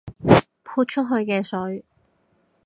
潑出去嘅水